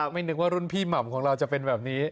ไม่นึกว่ารุ่นพี่หม่ำของเราจะเป็นแบบนี้